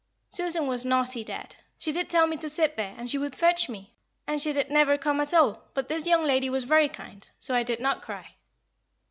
"Susan was naughty, dad. She did tell me to sit there, and she would fetch me, and she did never come at all, but this young lady was very kind, so I did not cry."